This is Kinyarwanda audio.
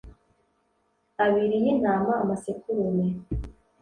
abiri y intama amasekurume